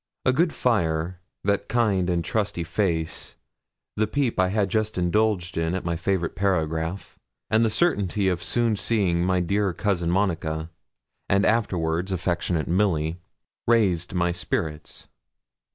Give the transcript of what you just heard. A good fire, that kind and trusty face, the peep I had just indulged in at my favourite paragraph, and the certainty of soon seeing my dear cousin Monica, and afterwards affectionate Milly, raised my spirits.